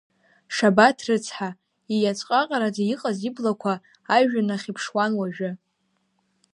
Шабаҭ рыцҳа ииаҵәҵәҟаҟараӡа иҟаз иблақәа ажә-ҩан ахь иԥшуан уажәы.